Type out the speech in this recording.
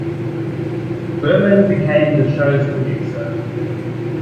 Berman became the show's producer.